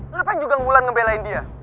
ngapain juga ngebulan ngebelain dia